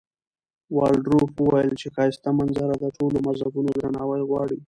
والډروف وویل چې ښایسته منظره د ټولو مذهبونو درناوی غواړي.